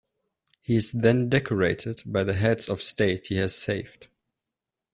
He is then decorated by the heads of state he has saved.